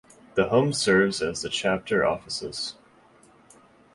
The home serves as the chapter offices.